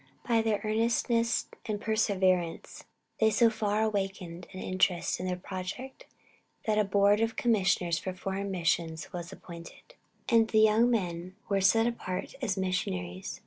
By their earnestness and perseverance, they so far awakened an interest in their project, that a Board of Commissioners for Foreign Missions was appointed, and the young men were set apart as missionaries.